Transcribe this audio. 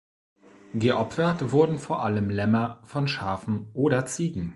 Geopfert wurden vor allem Lämmer von Schafen oder Ziegen.